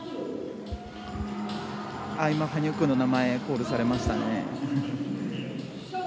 羽生君の名前コールされましたね。